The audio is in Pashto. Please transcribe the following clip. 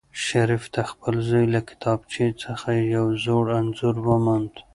شریف د خپل زوی له کتابچې څخه یو زوړ انځور وموند.